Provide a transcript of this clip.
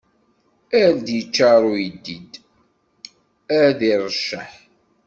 Ar d iččaṛ uyeddid, ar d iṛecceḥ.